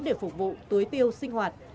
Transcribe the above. để phục vụ túi tiêu sinh hoạt